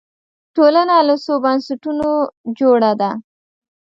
ټولنه له څو بنسټونو جوړه ده